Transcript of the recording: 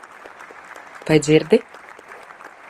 Vai dzirdi?